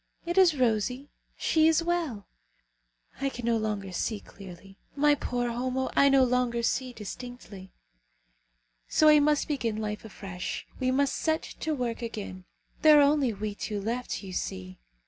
It is rosy. She is well! I can no longer see clearly. My poor Homo, I no longer see distinctly. So we must begin life afresh. We must set to work again. There are only we two left, you see.